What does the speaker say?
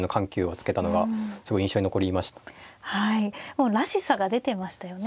もうらしさが出てましたよね。